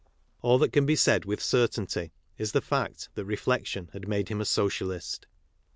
All that can be said with certainty is the fact that reflection had made him a Socialist.